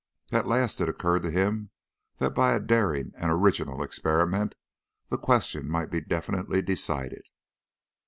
At last it occurred to him that by a daring and original experiment the question might be definitely decided.